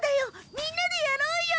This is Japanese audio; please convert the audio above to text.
みんなでやろうよ。